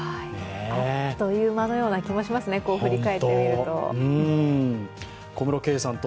あっという間のような気もしますね、こう振り返ってみると。